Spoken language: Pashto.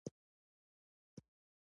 دې ارزښتونو ته خورا زیات درناوی لري.